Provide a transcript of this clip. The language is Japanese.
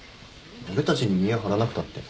俺たちに見え張らなくたって。